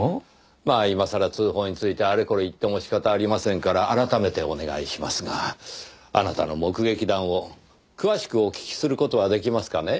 まあ今さら通報についてあれこれ言っても仕方ありませんから改めてお願いしますがあなたの目撃談を詳しくお聞きする事は出来ますかね？